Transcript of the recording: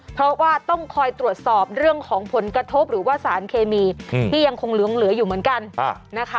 เพราะว่าต้องคอยตรวจสอบเรื่องของผลกระทบหรือว่าสารเคมีที่ยังคงเหลืองเหลืออยู่เหมือนกันนะคะ